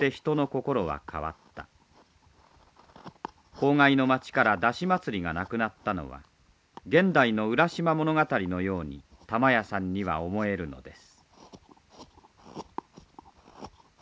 公害の町から山車祭りがなくなったのは現代の「浦島物語」のように玉屋さんには思えるのです。